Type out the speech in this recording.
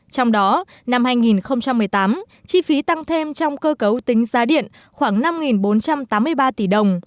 trong đó năm hai nghìn một mươi tám chi phí tăng thêm trong cơ cấu tính giá điện khoảng năm bốn trăm tám mươi ba tỷ đồng